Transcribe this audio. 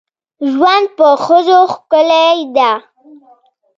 ژوند په ښځو ښکلی ده.